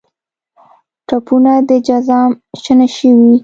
ټپونه د جزام شنه شوي